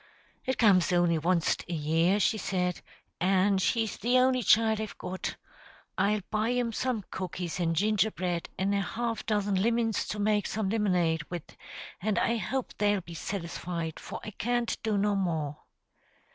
"It comes only onst a year," she said, "an' she's the only child I've got. I'll buy 'em some cookies an' gingerbread, an' a half dozen limons to make some limonade wid; an' I hope they'll be satisfied, for I can't do no more."